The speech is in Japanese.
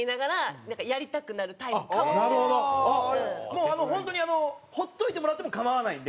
もう本当にほっといてもらっても構わないんで。